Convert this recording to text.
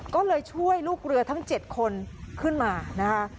ก็เลยช่วยลูกเรือทั้ง๗คนขึ้นมานะคะ